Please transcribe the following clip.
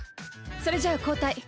それじゃあ交代。